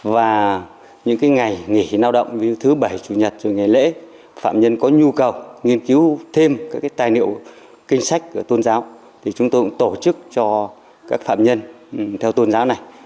và những ngày nghỉ nao động như thứ bảy chủ nhật ngày lễ phạm nhân có nhu cầu nghiên cứu thêm các tài liệu kinh sách của tôn giáo thì chúng tôi cũng tổ chức cho các phạm nhân theo tôn giáo này